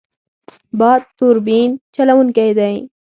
باد توربین چلوونکی دی.